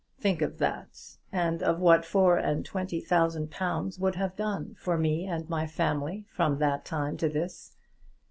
Think of that, and of what four and twenty thousand pounds would have done for me and my family from that time to this.